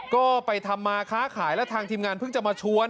ก็ไปทำมาค้าขายแล้วทางทีมงานเพิ่งจะมาชวน